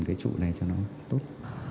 cái trụ này cho nó tốt